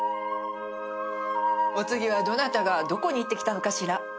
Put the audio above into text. お次はどなたがどこに行ってきたのかしら？